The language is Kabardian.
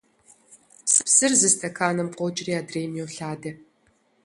Псыр зы стэканым къокӀри адрейм йолъадэ.